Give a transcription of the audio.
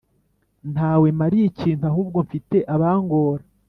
Ntawe mariye ikintu Ahubwo mfite aba ngora